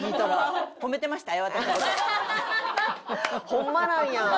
ホンマなんや！